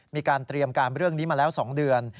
มีการเตรียมการเรื่องนี้มาแล้ว๒เดือน